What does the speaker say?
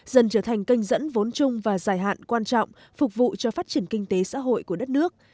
dần trở thành kênh dẫn vốn chung và dài hạn quan trọng phục vụ cho phát triển kinh tế xã hội của đất nước